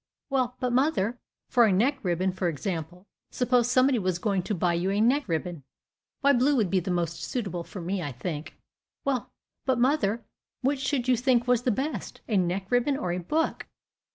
"Well, but, mother, for a neck ribbon, for example; suppose somebody was going to buy you a neck ribbon." "Why, blue would be the most suitable for me, I think." "Well, but mother, which should you think was the best, a neck ribbon or a book?"